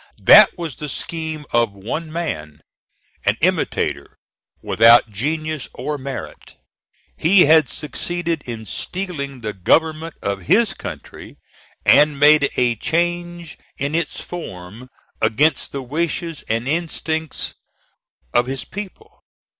That was the scheme of one man, an imitator without genius or merit. He had succeeded in stealing the government of his country, and made a change in its form against the wishes and instincts of his people.